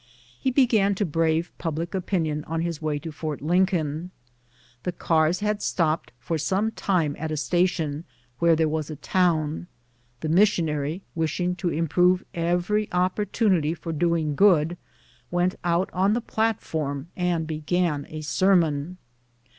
He began to brave public opinion on his way to Fort Lincoln. The cars had stopped for some time at a station where there was a town ; the missionary, wishing to improve every oppor tunity for doing good, went out on the platform and began a sermon.